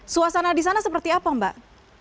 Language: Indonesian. suasana di sana seperti apa mbak